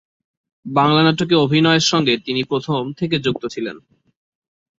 বাংলা নাটকে অভিনয়ের সঙ্গে তিনি প্রথম থেকে যুক্ত ছিলেন।